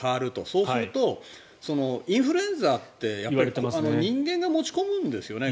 そうするとインフルエンザって人間が持ち込むんですよね